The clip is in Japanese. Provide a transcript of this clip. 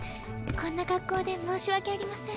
こんな格好で申し訳ありません。